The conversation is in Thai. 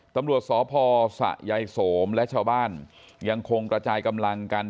ตำรวจสพสะยายโสมและชาวบ้านยังคงกระจายกำลังกัน